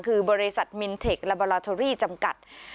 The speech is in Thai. คือบริษัทมินเทคลาเบอร์ลาโทรีจำกัด